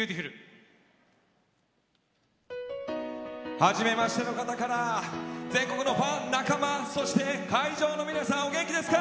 はじめましての方から全国のファン、仲間そして、会場の皆さんお元気ですか？